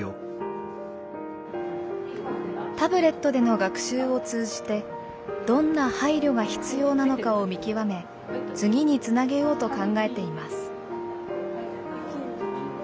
タブレットでの学習を通じてどんな配慮が必要なのかを見極め次につなげようと考えています。